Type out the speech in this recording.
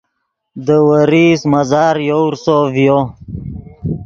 دے ورئیست مزار یوورسو ڤیو